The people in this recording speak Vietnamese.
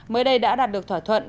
mới đây đã đạt được thỏa thuận